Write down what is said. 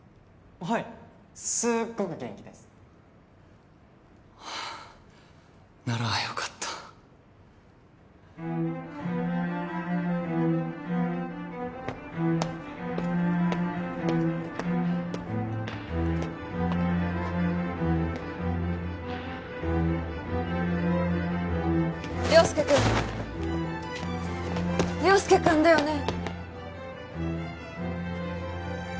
はいすっごく元気ですはあならよかった良介くん良介くんだよね？